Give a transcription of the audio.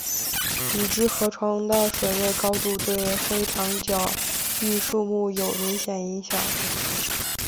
已知河床的水位高度对黑长脚鹬数目有明显影响。